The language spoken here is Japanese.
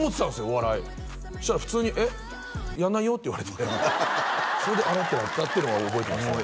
お笑いそしたら普通に「えっやんないよ」って言われてそれで「あれ？」ってなったっていうのは覚えてますね